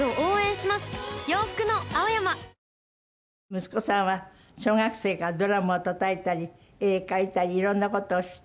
息子さんは小学生からドラムをたたいたり絵描いたりいろんな事をして。